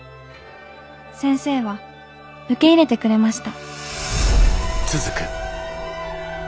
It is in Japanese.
先生は受け入れてくれました」。